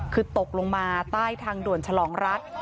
คือตกลงมาใต้ทางด่วนฉลองรัฐ